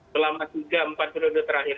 selama tiga empat periode terakhir